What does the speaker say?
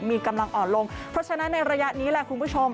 มีกำลังอ่อนลงเพราะฉะนั้นในระยะนี้แหละคุณผู้ชม